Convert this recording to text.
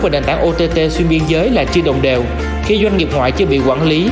và nền tảng ott xuyên biên giới là chưa đồng đều khi doanh nghiệp ngoại chưa bị quản lý